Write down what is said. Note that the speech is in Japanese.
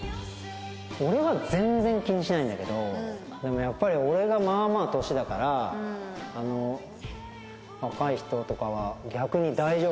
俺は全然気にしないんだけどでもやっぱり俺がまあまあ年だからあの若い人とかは逆に大丈夫なのかなあ？